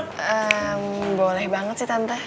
hmm boleh banget sih tante